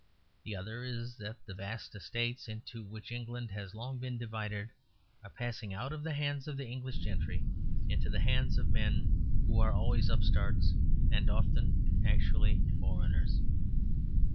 The other is that the vast estates into which England has long been divided are passing out of the hands of the English gentry into the hands of men who are always upstarts and often actually foreigners.